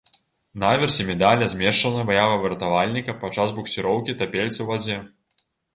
На аверсе медаля змешчана выява выратавальніка падчас буксіроўкі тапельца ў вадзе.